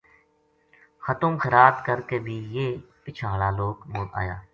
ختم خیرات کرکے بھی یہ پچھاں ہالا لوک مڑآیا